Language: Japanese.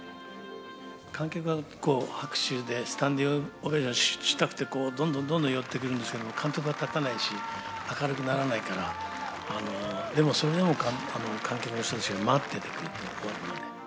観客が拍手でスタンディングオベーションしたくてこう、どんどんどんどん寄ってくるんですけれども、監督は立たないし、明るくならないから、でもそれでも観客の人たちが待っててくれて。